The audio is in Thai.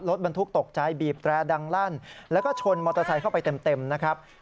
รถบรรทุกตกใจบีบแตรดังลั่นแล้วก็ชนมอเตอร์ไซค์เข้าไปเต็มนะครับ